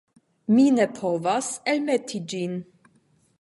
Mi ne povas elmeti ĝin.